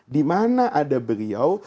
dimana ada beliau